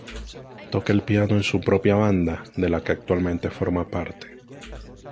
Toca el piano en su propia banda de la que actualmente forma parte.